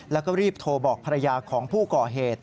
แล้วก็รีบโทรบอกภรรยาของผู้ก่อเหตุ